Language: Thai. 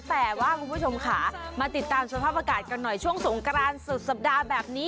แต่ว่าคุณผู้ชมค่ะมาติดตามสภาพอากาศกันหน่อยช่วงสงกรานสุดสัปดาห์แบบนี้